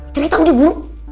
cerita udah bu